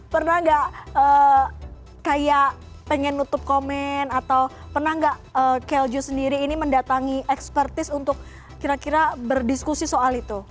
pernah nggak kayak pengen nutup komen atau pernah nggak keljo sendiri ini mendatangi ekspertis untuk kira kira berdiskusi soal itu